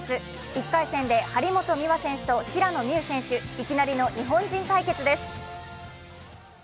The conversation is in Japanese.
１回戦で張本美和選手と平野美宇選手、いきなりの日本人対決です。